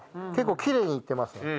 結構きれいにいってます。